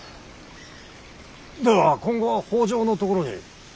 では今後は北条のところに。